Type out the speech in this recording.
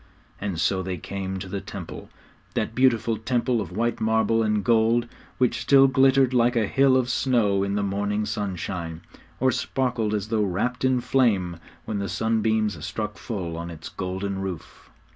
And so they came to the Temple that beautiful Temple of white marble and gold, which still glittered like a hill of snow in the morning sunshine, or sparkled as though wrapped in flame when the sunbeams struck full on its golden roof.